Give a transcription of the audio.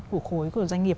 của khối của doanh nghiệp